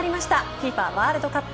ＦＩＦＡワールドカップ。